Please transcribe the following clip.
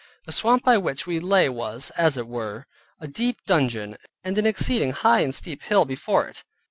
The swamp by which we lay was, as it were, a deep dungeon, and an exceeding high and steep hill before it.